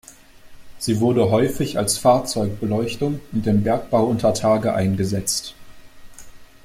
Sie wurde häufig als Fahrzeugbeleuchtung und im Bergbau untertage eingesetzt.